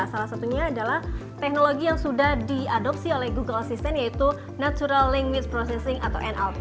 salah satunya adalah teknologi yang sudah diadopsi oleh google assistant yaitu natural linkwiss processing atau nlp